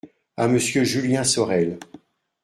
à Monsieur Julien Sorel.